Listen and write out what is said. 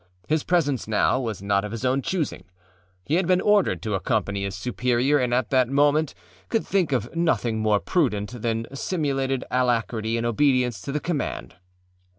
His presence now was not of his own choosing: he had been ordered to accompany his superior and at the moment could think of nothing more prudent than simulated alacrity in obedience to the command.